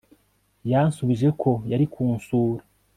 Yansubije ko yari kunsura